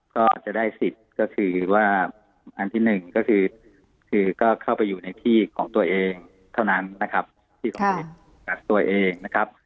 ก็จะได้สิทธิ์ก็คือว่าอันที่หนึ่งก็คือก็เข้าไปอยู่ในที่ของตัวเองเท่านั้นนะครับ